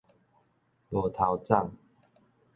無頭摠